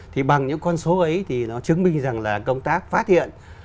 thì bằng những con số ấy thì nó chứng minh rằng là công tác phát hiện